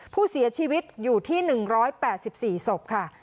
ผู้เสียชีวิตอยู่ที่หนึ่งร้อยแปดสิบสี่ศพค่ะ